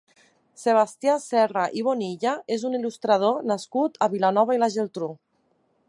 Sebastià Serra i Bonilla és un il·lustrador nascut a Vilanova i la Geltrú.